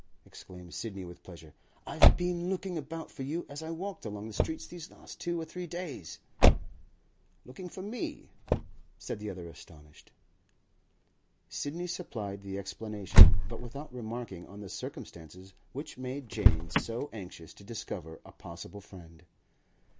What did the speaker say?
exclaimed Sidney with pleasure. 'I've been looking about for you as I walked along the streets these last two or three days.' 'Looking for me?' said the other, astonished. Sidney supplied the explanation, but without remarking on the circumstances which made Jane so anxious to discover a possible friend.